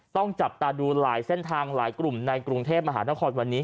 ต้องจับตาดูหลายเส้นทางหลายกลุ่มในกรุงเทพมหานครวันนี้